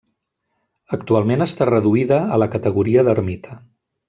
Actualment està reduïda a la categoria d'ermita.